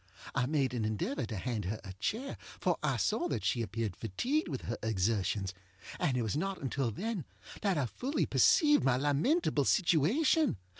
I made an endeavor to hand her a chair, for I saw that she appeared fatigued with her exertionsŌĆöand it was not until then that I fully perceived my lamentable situation.